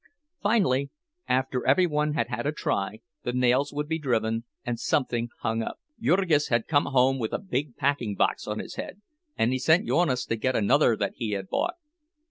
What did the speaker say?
Finally, after every one had had a try, the nails would be driven, and something hung up. Jurgis had come home with a big packing box on his head, and he sent Jonas to get another that he had bought.